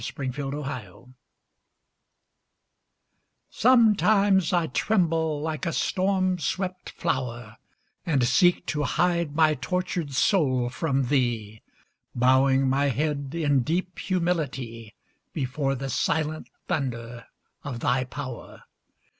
Claude McKay Poetry SOMETIMES I tremble like a storm swept flower, And seek to hide my tortured soul from thee. Bowing my head in deep humility Before the silent thunder of thy power.